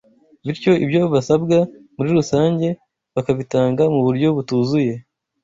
bityo ibyo basabwa muri rusange bakabitanga mu buryo butuzuye